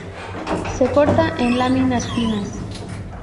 Se corta en láminas finas.